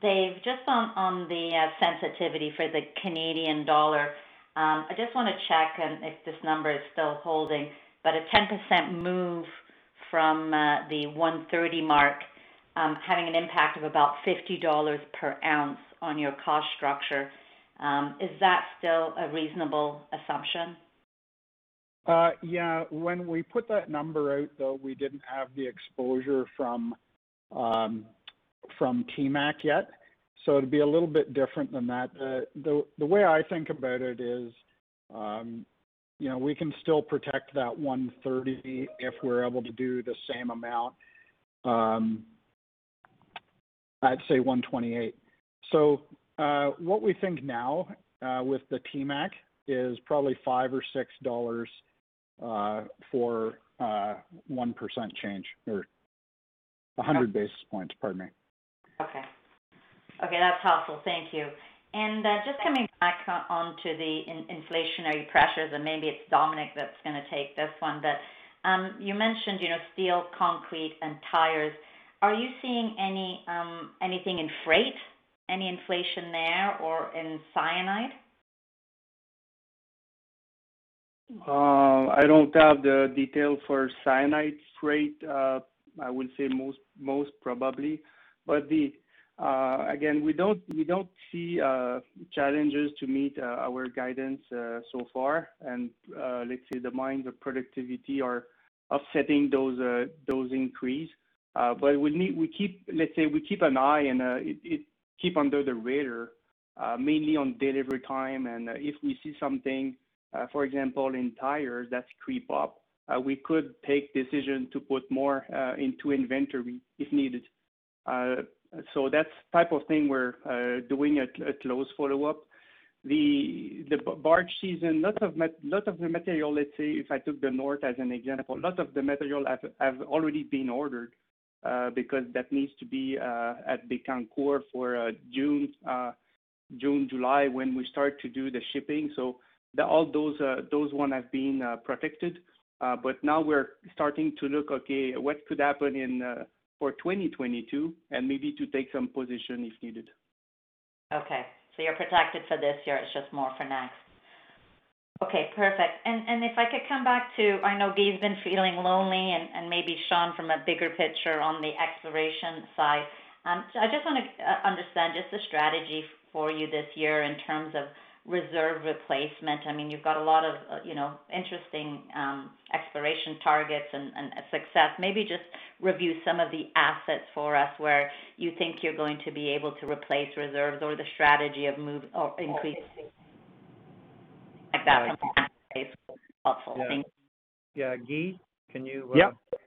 Dave, just on the sensitivity for the Canadian dollar, I just want to check if this number is still holding, but a 10% move from the 130 mark having an impact of about $50 per ounce on your cost structure. Is that still a reasonable assumption? Yeah. When we put that number out, though, we didn't have the exposure from TMAC yet, so it'll be a little bit different than that. The way I think about it is we can still protect that 130 if we're able to do the same amount, I'd say 128. What we think now, with the TMAC, is probably 5 or 6 dollars for 1% change or 100 basis points, pardon me. Okay. That's helpful. Thank you. Just coming back onto the inflationary pressures, maybe it's Dominic that's going to take this one, but you mentioned steel, concrete, and tires. Are you seeing anything in freight, any inflation there or in cyanides? I don't have the details for cyanide freight. I would say most probably, but again, we don't see challenges to meet our guidance so far. Let's say the mine, the productivity are offsetting those increases. Let's say we keep an eye and keep under the radar, mainly on delivery time. If we see something, for example, in tires that creep up, we could take decision to put more into inventory if needed. That's type of thing we're doing a close follow-up. The barge season, lot of the material, let's say if I took the north as an example, lot of the material have already been ordered because that needs to be at the concour for June and July when we start to do the shipping. All those one have been protected. Now we're starting to look, okay, what could happen for 2022 and maybe to take some position if needed. You're protected for this year; it's just more for next. Perfect. If I could come back to, I know Guy's been feeling lonely and maybe Sean from a bigger picture on the exploration side. I just want to understand just the strategy for you this year in terms of reserve replacement. I mean, you've got a lot of interesting exploration targets and success. Maybe just review some of the assets for us where you think you're going to be able to replace reserves or the strategy of move or increase, like that sort of asset base. Helpful. Thanks. Yeah. Guy,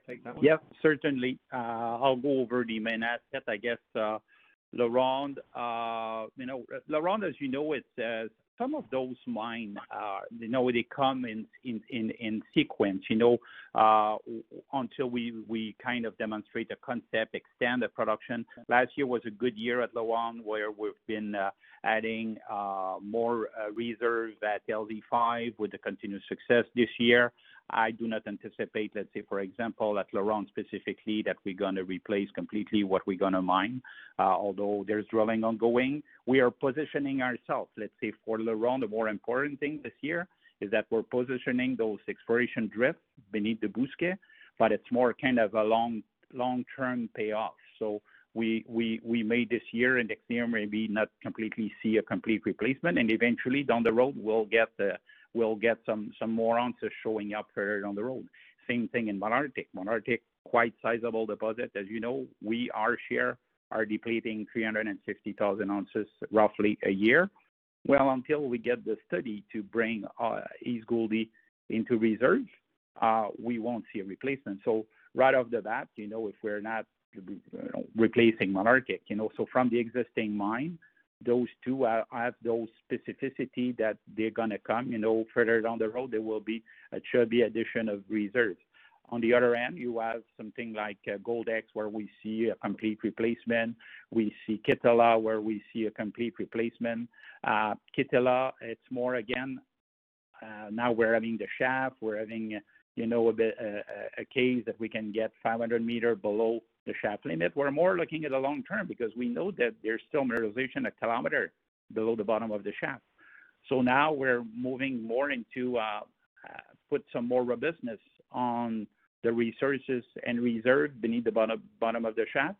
take that one? Yeah, certainly. I'll go over the main assets, I guess. LaRonde, as you know, some of those mines, they come in sequence until we kind of demonstrate the concept, extend the production. Last year was a good year at LaRonde, where we've been adding more reserves at LZ5 with the continuous success this year. I do not anticipate, let's say, for example, at LaRonde specifically, that we're going to replace completely what we're going to mine. There's drilling ongoing; we are positioning ourselves. Let's say for LaRonde, the more important thing this year is that we're positioning those exploration drifts beneath the Bousquet. It's more kind of a long-term payoff. We made this year, and next year maybe not completely see a complete replacement, and eventually down the road, we'll get some more answers showing up further down the road. Same thing in Malartic. Malartic, quite sizable deposit. As you know, we, our share, are depleting 360,000 ounces roughly a year. Well, until we get the study to bring East Gouldie into reserve, we won't see a replacement. Right off the bat, if we're not replacing Malartic. From the existing mine, those two have those specificity that they're going to come. Further down the road, there will be a chubby addition of reserve. On the other end, you have something like Goldex, where we see a complete replacement. We see Kittila, where we see a complete replacement. Kittila, it's more; now we're having the shaft, and we're having a case that we can get 500 meters below the shaft limit. We're more looking at the long term, because we know that there's still mineralization a kilometer below the bottom of the shaft. Now we're moving more into, put some more robustness on the resources and reserve beneath the bottom of the shaft.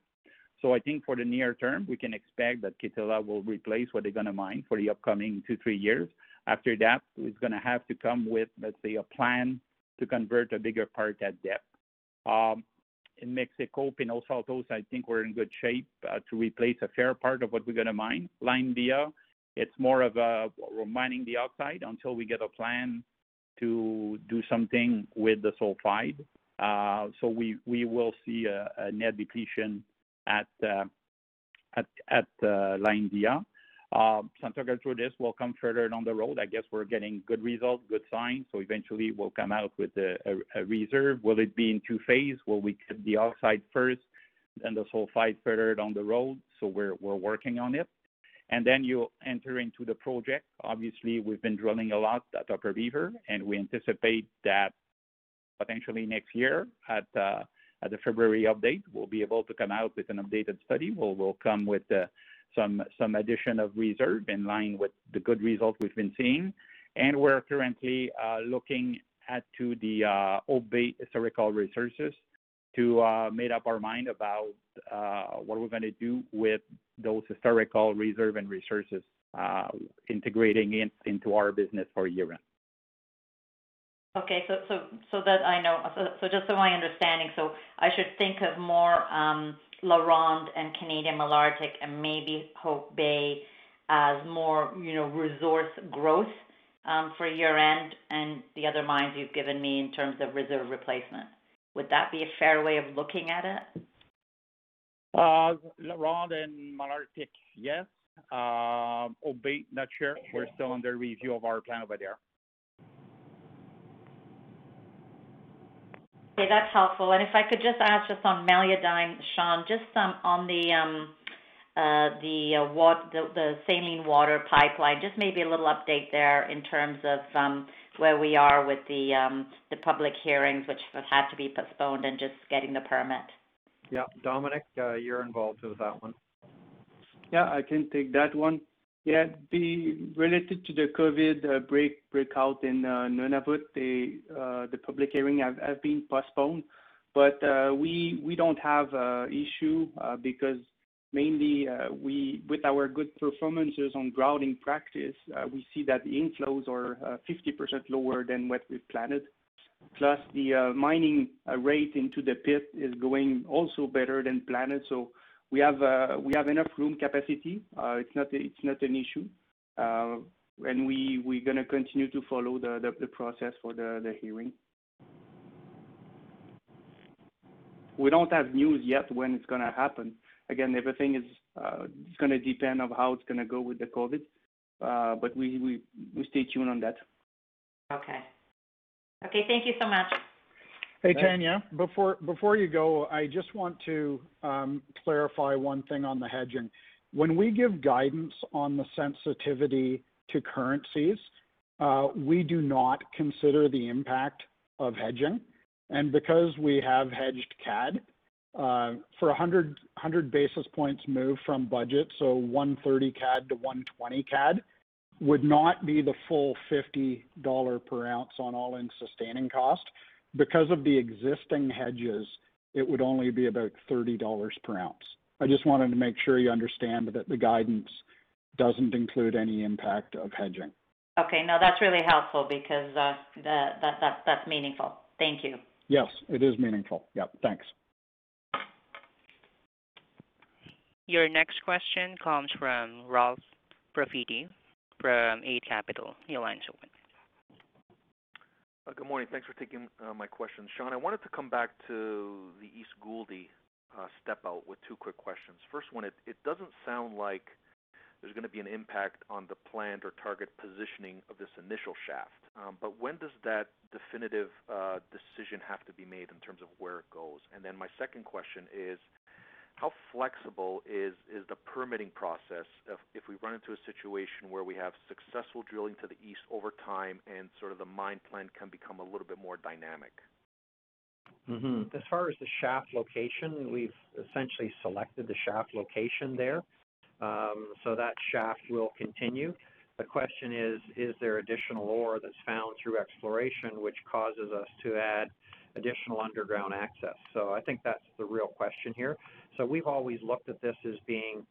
I think for the near term, we can expect that Kittila will replace what they're going to mine for the upcoming two, three years. After that, it's going to have to come with, let's say, a plan to convert a bigger part at depth. In Mexico, Pinos Altos, I think we're in good shape to replace a fair part of what we're going to mine. La India, it's more of mining the oxide until we get a plan to do something with the sulfide. We will see a net depletion at La India. Santogold, through this, will come further down the road. I guess we're getting good results, good signs, so eventually we'll come out with a reserve. Will it be in two phase, where we get the oxide first, then the sulfide further down the road? We're working on it. You enter into the project. Obviously, we've been drilling a lot at Upper Beaver, and we anticipate that potentially next year at the February update, we'll be able to come out with an updated study where we'll come with some addition of reserves in line with the good results we've been seeing. We're currently looking at to the Hope Bay historical resources to make up our mind about what we're going to do with those historical reserves and resources, integrating them into our business for year-end. Okay. Just so my understanding, so I should think of more LaRonde and Canadian Malartic and maybe Hope Bay as more resource growth for year-end and the other mines you've given me in terms of reserve replacement. Would that be a fair way of looking at it? LaRonde and Malartic, yes. Hope Bay, not sure. Okay. We're still under review of our plan over there. Okay, that's helpful. If I could just ask just on Meliadine, Sean, just on the saline water pipeline, just maybe a little update there in terms of where we are with the public hearings, which have had to be postponed, and just getting the permit. Yeah. Dominique, you're involved with that one. Yeah, I can take that one. Yeah, related to the COVID breakout in Nunavut, the public hearings have been postponed. We don't have issue because mainly, with our good performances on grouting practice, we see that the inflows are 50% lower than what we've planned. The mining rate into the pit is going also better than planned. We have enough room capacity. It's not an issue. We're going to continue to follow the process for the hearing. We don't have news yet when it's going to happen. Again, everything is going to depend on how it's going to go with the COVID. We'll stay tuned on that. Okay. Okay, thank you so much. Hey, Tanya, before you go, I just want to clarify one thing on the hedging. When we give guidance on the sensitivity to currencies, we do not consider the impact of hedging. Because we have hedged CAD for a 100 basis point move from budget, so 130 CAD to 120 CAD would not be the full $50 per ounce on all-in sustaining cost. Because of the existing hedges, it would only be about $30 per ounce. I just wanted to make sure you understand that the guidance doesn't include any impact of hedging. Okay. No, that's really helpful because that's meaningful. Thank you. Yes, it is meaningful. Yep, thanks. Your next question comes from Ralph Profiti from Eight Capital. Your line's open. Good morning. Thanks for taking my question. Sean, I wanted to come back to the East Gouldie step-out with two quick questions. First one, it doesn't sound like there's going to be an impact on the planned or target positioning of this initial shaft. When does that definitive decision have to be made in terms of where it goes? My second question is, how flexible is the permitting process if we run into a situation where we have successful drilling to the east over time and sort of the mine plan can become a little bit more dynamic? As far as the shaft location, we've essentially selected the shaft location there. That shaft will continue. The question is, is there additional ore that's found through exploration which causes us to add additional underground access? I think that's the real question here. We've always looked at this as being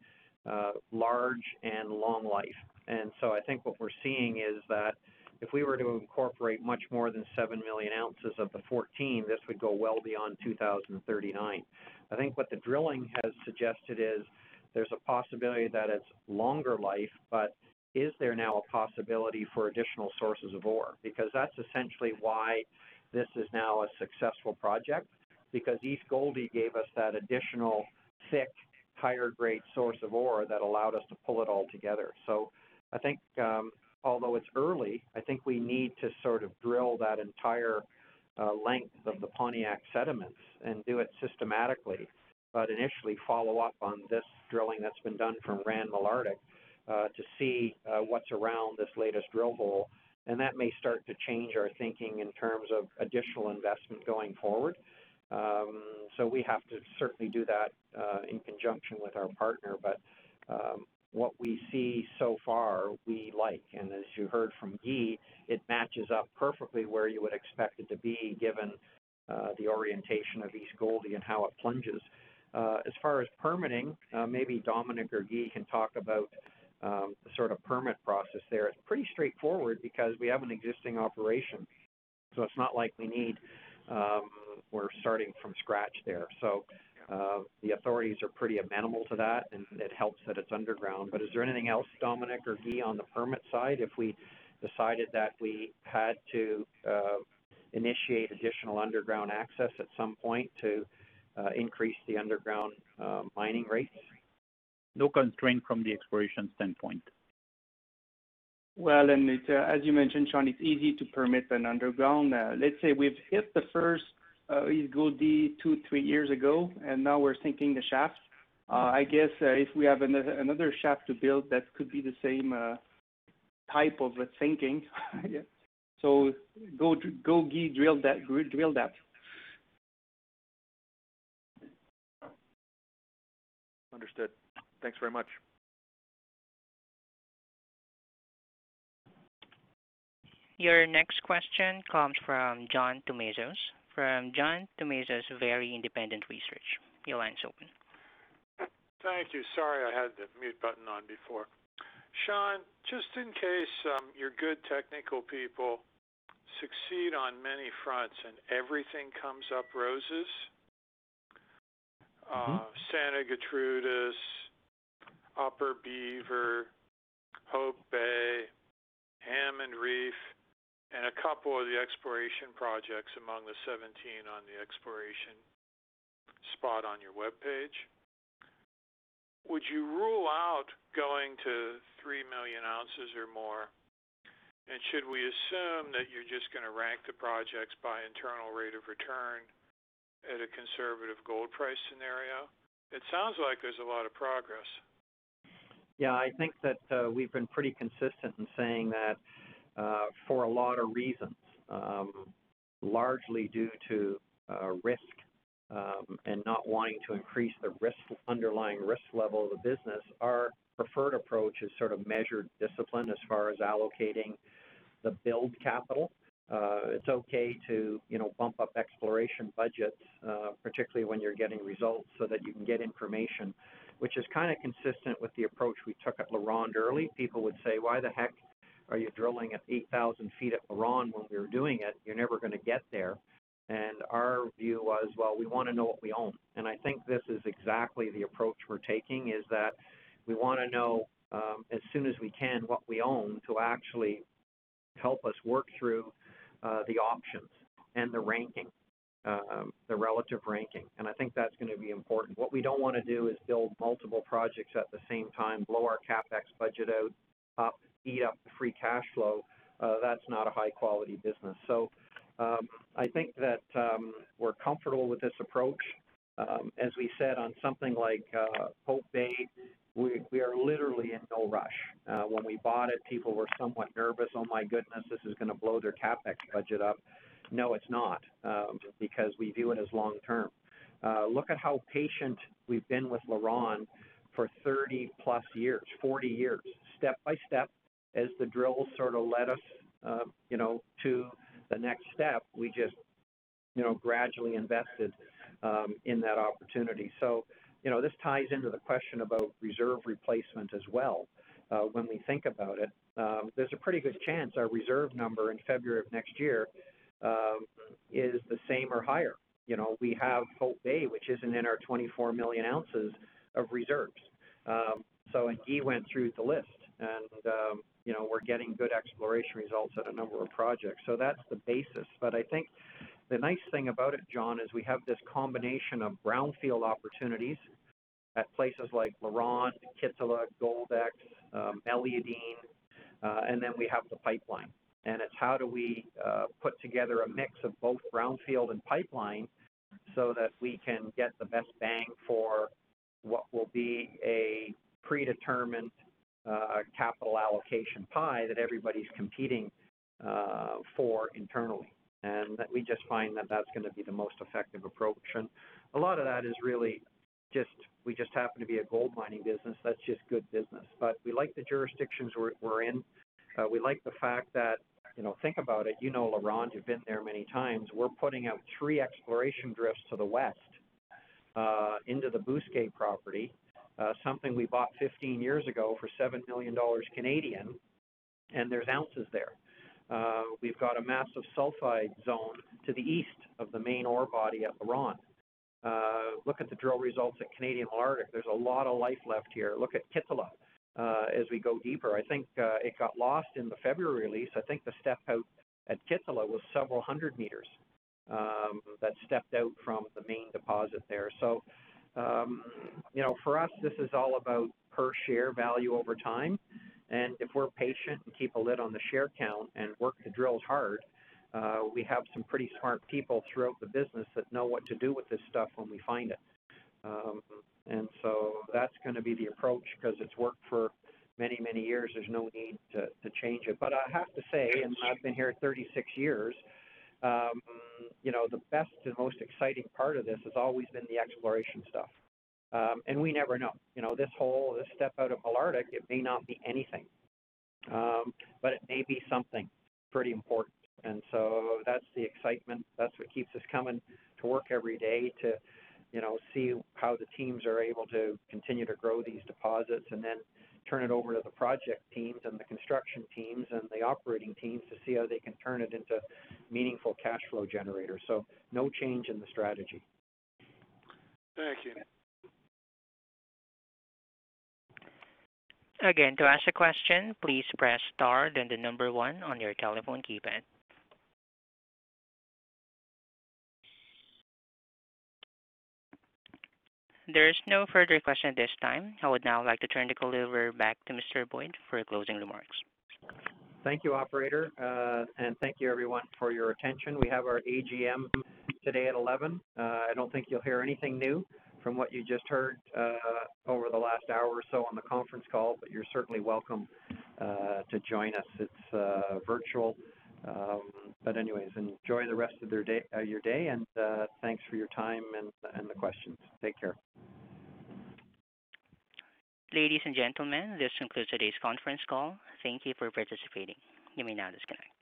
large and long life. I think what we're seeing is that if we were to incorporate much more than 7 million ounces of the 14, this would go well beyond 2039. I think what the drilling has suggested is There's a possibility that it's longer life, but is there now a possibility for additional sources of ore? That's essentially why this is now a successful project, because East Gouldie gave us that additional thick, higher-grade source of ore that allowed us to pull it all together. I think, although it's early, I think we need to drill that entire length of the Pontiac sediments and do it systematically, but initially follow up on this drilling that's been done from Rand Malartic to see what's around this latest drill hole. That may start to change our thinking in terms of additional investment going forward. We have to certainly do that, in conjunction with our partner. What we see so far, we like. As you heard from Guy, it matches up perfectly where you would expect it to be given the orientation of East Gouldie and how it plunges. As far as permitting, maybe Dominic or Guy can talk about the sort of permit process there. It's pretty straightforward because we have an existing operation, so it's not like we're starting from scratch there. The authorities are pretty amenable to that, and it helps that it's underground. Is there anything else, Dominic or Guy, on the permit side, if we decided that we had to initiate additional underground access at some point to increase the underground mining rates? No constraint from the exploration standpoint. Well, as you mentioned, Sean, it's easy to permit an underground. Let's say we've hit the first East Gouldie two, three years ago, and now we're sinking the shaft. I guess if we have another shaft to build, that could be the same type of a sinking. Go Guy, drill that. Understood. Thanks very much Your next question comes from John Tumazos from John Tumazos's Very Independent Research. Your line's open. Thank you. Sorry, I had the mute button on before. Sean, just in case your good technical people succeed on many fronts. Santa Gertrudis, Upper Beaver, Hope Bay, Hammond Reef, and a couple of the exploration projects among the 17 on the exploration spot on your webpage: would you rule out going to 3 million ounces or more? Should we assume that you're just going to rank the projects by internal rate of return at a conservative gold price scenario? It sounds like there's a lot of progress. Yeah, I think that we've been pretty consistent in saying that, for a lot of reasons, largely due to risk and not wanting to increase the underlying risk level of the business, our preferred approach is measured discipline as far as allocating the build capital. It's okay to bump up exploration budgets, particularly when you're getting results so that you can get information, which is kind of consistent with the approach we took at LaRonde early. People would say, "Why the heck are you drilling at 8,000 feet at LaRonde?" when we were doing it. "You're never going to get there." Our view was, well, we want to know what we own. I think this is exactly the approach we're taking: is that we want to know, as soon as we can, what we own to actually help us work through the options and the ranking, the relative ranking. I think that's going to be important. What we don't want to do is build multiple projects at the same time, blow our CapEx budget out, eat up the free cash flow. That's not a high-quality business. I think that we're comfortable with this approach. As we said on something like Hope Bay, we are literally in no rush. When we bought it, people were somewhat nervous: "Oh my goodness, this is going to blow their CapEx budget up." No, it's not, because we view it as long-term. Look at how patient we've been with LaRonde for 30-plus years, 40 years. Step by step, as the drills sort of led us to the next step, we just gradually invested in that opportunity. This ties into the question about reserve replacement as well. When we think about it, there's a pretty good chance our reserve number in February of next year is the same or higher. We have Hope Bay, which isn't in our 24 million ounces of reserves. Guy went through the list, and we're getting good exploration results at a number of projects. That's the basis. I think the nice thing about it, John, is we have this combination of brownfield opportunities at places like LaRonde, Kittilä, Goldex, Meliadine, and then we have the pipeline. It's how do we put together a mix of both brownfield and pipeline so that we can get the best bang for what will be a predetermined capital allocation pie that everybody's competing for internally? We just find that that's going to be the most effective approach. A lot of that is really just we happen to be a gold mining business. That's just good business. We like the jurisdictions we're in. We like the fact that, think about it, you know LaRonde; you've been there many times. We're putting out three exploration drifts to the west, into the Bousquet property. Something we bought 15 years ago for 7 million Canadian dollars. There's ounces there. We've got a massive sulfide zone to the east of the main ore body at LaRonde. Look at the drill results at Canadian Malartic. There's a lot of life left here. Look at Kittila. As we go deeper, I think it got lost in the February release. I think the step-out at Kittila was several hundred meters that stepped out from the main deposit there. For us, this is all about per share value over time, and if we're patient and keep a lid on the share count and work the drills hard, we have some pretty smart people throughout the business that know what to do with this stuff when we find it. That's going to be the approach because it's worked for many, many years. There's no need to change it. I have to say, and I've been here 36 years, the best and most exciting part of this has always been the exploration stuff. We never know. This step out of Malartic, it may not be anything. It may be something pretty important. That's the excitement. That's what keeps us coming to work every day to see how the teams are able to continue to grow these deposits and then turn it over to the project teams and the construction teams and the operating teams to see how they can turn it into meaningful cash flow generators. No change in the strategy. Thank you. Again, to ask your question, please press star then the number one from your telephone keypad. There is no further question at this time. I would now like to turn the call over back to Mr. Boyd for closing remarks. Thank you, operator. Thank you, everyone, for your attention. We have our AGM today at 11:00 A.M. I don't think you'll hear anything new from what you just heard over the last hour or so on the conference call, but you're certainly welcome to join us. It's virtual. Anyways, enjoy the rest of your day, and thanks for your time and the questions. Take care. Ladies and gentlemen, this concludes today's conference call. Thank you for participating. You may now disconnect.